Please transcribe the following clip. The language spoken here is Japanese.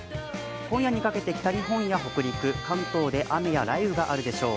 今夜にかけて北日本や北陸、関東で雨や雷雨があるでしょう